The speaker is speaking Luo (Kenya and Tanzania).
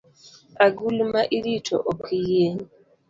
Agulu ma irito ok yieny